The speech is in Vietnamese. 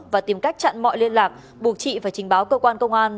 và tìm cách chặn mọi liên lạc buộc trị và trình báo cơ quan công an